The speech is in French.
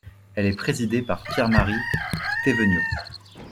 Elle est présidée par Pierre-Marie Theveniaud.